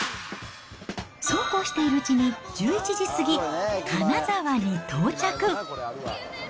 そうこうしているうちに１１時過ぎ、金沢に到着。